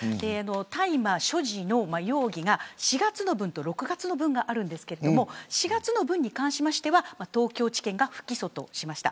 大麻所持の容疑が４月の分と６月の分があるんですが４月の分に関しては東京地検が不起訴としました。